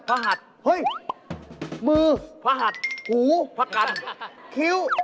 จริงดิ